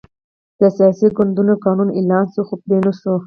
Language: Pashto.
د سیاسي ګوندونو قانون اعلان شو، خو پلی نه شو.